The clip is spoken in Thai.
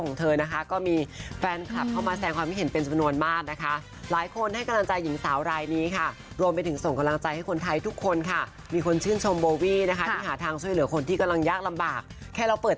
ค่ะขอบพระคุณมากเลยค่ะวิ